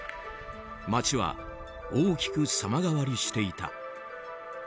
街は大きく様変わりしていた。